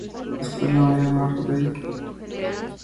La Escuela Media North Dade en Miami Gardens sirve a Opa-locka.